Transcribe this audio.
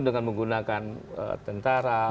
dengan menggunakan tentara